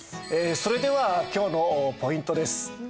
それでは今日のポイントです。